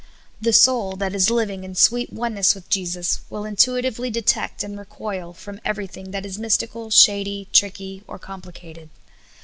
The soul that is living in sweet oneness with Jesus will intuitively detect and recoil from everything that is mystical, shady, tricky, or complicated.